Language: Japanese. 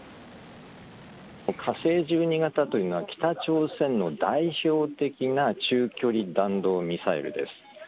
火星１２型というのは、北朝鮮の代表的な中距離弾道ミサイルです。